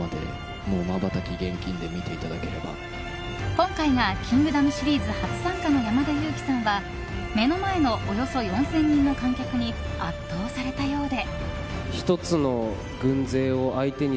今回が「キングダム」シリーズ初参加の山田裕貴さんは目の前の、およそ４０００人の観客に圧倒されたようで。